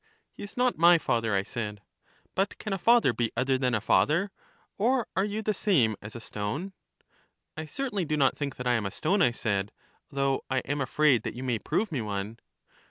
He is not my father, I said. But can a father be other than a father? or are you the same as a stone? I certainly do not think that I am a stone, I said, though I am afraid that you may prove me one.